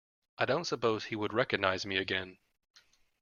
I don’t suppose he would recognise me again.